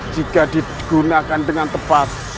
jika digunakan dengan tepat